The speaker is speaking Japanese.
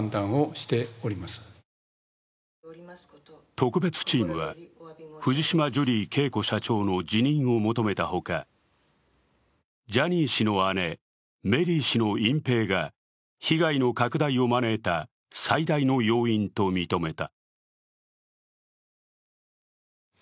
特別チームは、藤島ジュリー景子社長の辞任を求めたほか、ジャニー氏の姉、メリー氏の隠ぺいが被害の拡大を招いた最大の要因と認めた。